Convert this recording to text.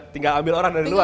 tinggal ambil orang dari luar